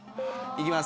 行きます。